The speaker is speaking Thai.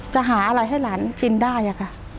จะหาอะไรให้หลานกินได้ค่ะ